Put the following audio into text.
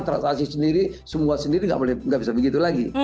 transaksi sendiri semua sendiri nggak bisa begitu lagi